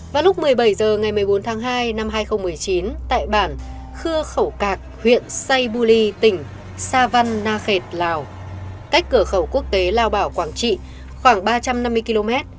vào lúc một mươi bảy h ngày một mươi bốn tháng hai năm hai nghìn một mươi chín tại bản khưa khẩu cạc huyện say buli tỉnh sa văn na khệt lào cách cửa khẩu quốc tế lao bảo quảng trị khoảng ba trăm năm mươi km